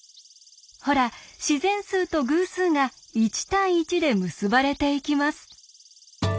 ほら自然数と偶数が１対１で結ばれていきます。